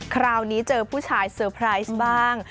คราวนี้เจอผู้ชายเซอร์ไพรส์บ้าง